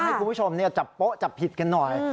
ให้คุณผู้ชมจับโป๊ะจับผิดกันหน่อย